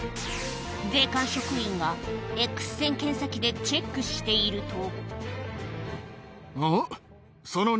税関職員がＸ線検査機でチェックしていると。